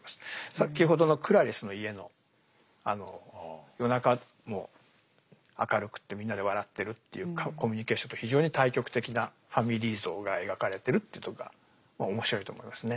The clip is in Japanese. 先ほどのクラリスの家のあの夜中も明るくってみんなで笑ってるっていうコミュニケーションと非常に対極的なファミリー像が描かれてるっていうとこがまあ面白いと思いますね。